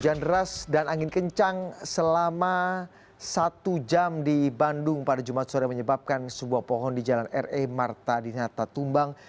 hujan deras dan angin kencang selama satu jam di bandung pada jumat sore menyebabkan sebuah pohon di jalan re marta dinata tumbang